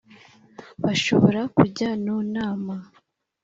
Bashobora kujya nu nama